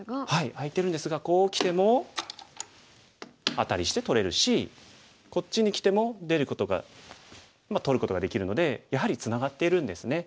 空いてるんですがこうきてもアタリして取れるしこっちにきても出ることがまあ取ることができるのでやはりツナがっているんですね。